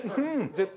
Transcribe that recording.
絶対。